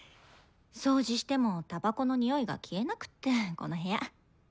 掃除してもたばこの臭いが消えなくってこの部屋。